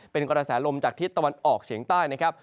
เป็นกระแสลมจากทิศตะวันออกเฉียงใต้นะครับ